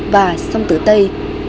và sông tử tây